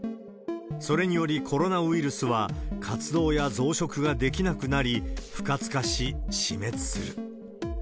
それによりコロナウイルスは活動や増殖ができなくなり、不活化し死滅する。